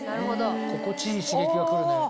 心地いい刺激が来るね。